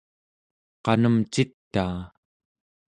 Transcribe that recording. qanemcitaa